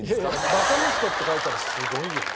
「バカ息子」って書いたらすごいよね。